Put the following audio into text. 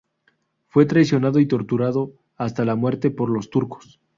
Fue traicionado y torturado hasta la muerte por los turcos.